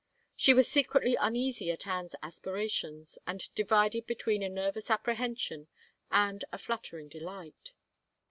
She was secretly tmeasy at Anne's aspirations, and divided between a nervous apprehension and a flattering delight.